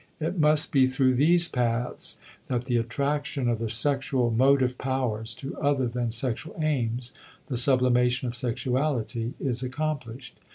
It must be through these paths that the attraction of the sexual motive powers to other than sexual aims, the sublimation of sexuality, is accomplished.